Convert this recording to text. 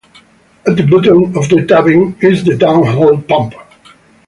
At the bottom of the tubing is the down-hole pump.